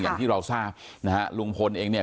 อย่างที่เราทราบนะฮะลุงพลเองเนี่ย